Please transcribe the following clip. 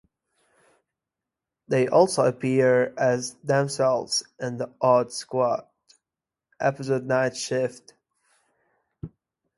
They also appear as themselves in the "Odd Squad" episode "Night Shift".